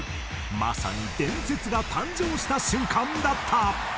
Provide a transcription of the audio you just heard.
まさに伝説が誕生した瞬間だった。